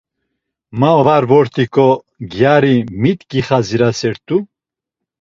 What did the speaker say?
Ma var vort̆iǩo gyari mik gixadziraset̆u?